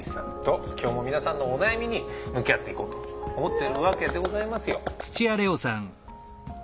今日も皆さんのお悩みに向き合っていこうと思ってるわけでございますよ。